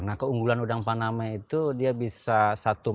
nah keunggulan udang faname itu dia bisa satu meter